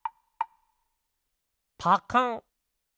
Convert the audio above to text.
パカン。